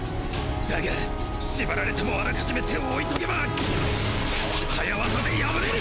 だが縛られても予め手を置いとけば早技で破れる！